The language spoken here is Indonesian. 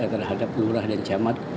terhadap kelurahan dan camat